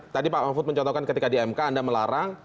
tadi pak mahfud mencontohkan ketika di mk anda melarang